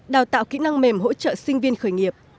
đào tạo kỹ năng mềm hỗ trợ sinh viên khởi nghiệp